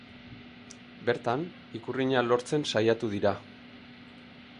Bertan, ikurriña lortzen saiatu dira.